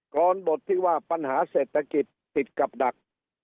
กรบทที่ว่าปัญหาเศรษฐกิจติดกับดัก